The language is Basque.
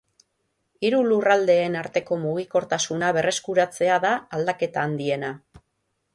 Hiru lurraldeen arteko mugikortasuna berreskuratzea da aldaketa handiena.